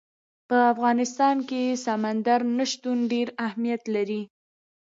په افغانستان کې سمندر نه شتون ډېر اهمیت لري.